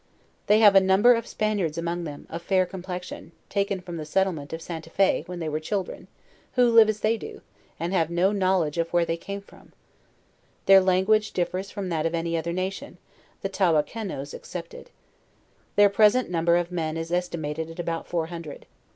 They have a number of Spaniards among them* of fair complexion, taken from the 150 JOURNAL OF settlement of St. a Fe, when they were children, who live as they do, and have no knowledge of where they came from. Their language differs from that of any other nation, the Tawakenoes excepted. Their present number of men is es timated at about four hundred.